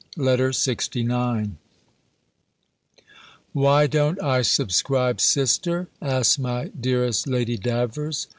LETTER LXIX Why don't I subscribe Sister? asks my dearest Lady Davers.